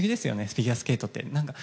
フィギュアスケートって。